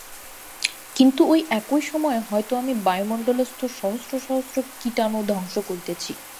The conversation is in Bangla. কিন্তু ঐ একই সময়ে হয়তো আমি বায়ুমণ্ডলস্থ সহস্র সহস্র কীটাণু ধ্বংস করিতেছি।